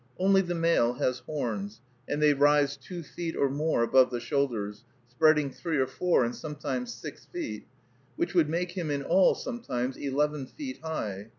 Only the male has horns, and they rise two feet or more above the shoulders, spreading three or four, and sometimes six feet, which would make him in all, sometimes, eleven feet high!